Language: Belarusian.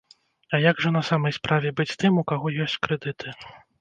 А як жа на самай справе быць тым, у каго ёсць крэдыты?